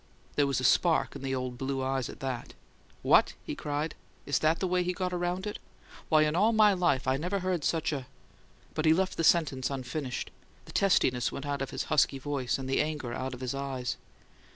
There was a spark in the old blue eyes at this. "What?" he cried. "Is that the way he got around it? Why, in all my life I never heard of such a " But he left the sentence unfinished; the testiness went out of his husky voice and the anger out of his eyes.